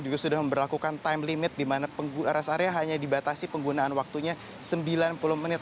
juga sudah memperlakukan time limit di mana rest area hanya dibatasi penggunaan waktunya sembilan puluh menit